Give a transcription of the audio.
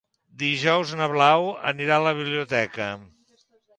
Dijous na Blau anirà a la biblioteca.